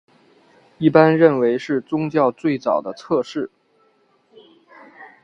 一般认为是政宗最早的侧室。